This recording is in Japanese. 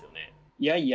いやいや。